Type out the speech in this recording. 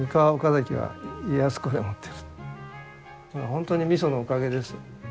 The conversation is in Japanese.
本当に味噌のおかげです。